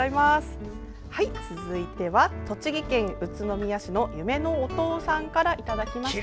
続いては栃木県宇都宮市のゆめのお父さんからいただきました。